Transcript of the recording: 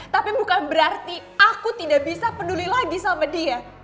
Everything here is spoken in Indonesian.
tapi bukan berarti aku tidak bisa peduli lagi sama dia